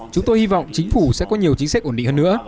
chúng tôi hy vọng chính phủ sẽ có nhiều chính sách ổn định hơn nữa